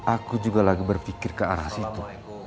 aku juga lagi berpikir ke arah situ